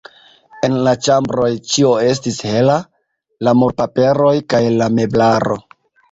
En la ĉambroj ĉio estis hela, la murpaperoj kaj la meblaro.